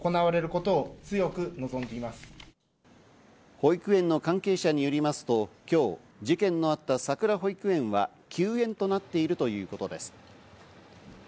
保育園の関係者によりますと今日、事件のあった、さくら保育園は休園となっているということです。